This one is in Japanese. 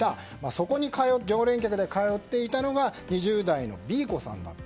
そこに常連客で通っていたのが２０代のＢ子さんだった。